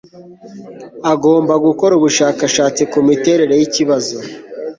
agomba gukora ubushakashatsi ku miterere y'ikibazo